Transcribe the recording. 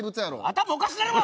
頭おかしなるわ！